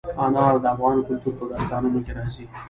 انار د افغان کلتور په داستانونو کې راځي.